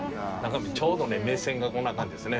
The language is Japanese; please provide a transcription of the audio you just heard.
ちょうど目線がこんな感じですね